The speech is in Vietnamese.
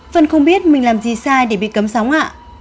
phân không biết mình làm gì sai để bị cấm sóng ạ